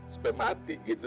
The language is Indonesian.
supaya mati gitu